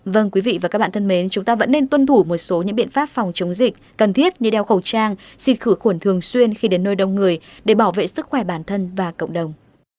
vâng quý vị và các bạn thân mến chúng ta vẫn nên tuân thủ một số những biện pháp phòng chống dịch cần thiết như đeo khẩu trang xịt khử khuẩn thường xuyên khi đến nơi đông người để bảo vệ sức khỏe bản thân và cộng đồng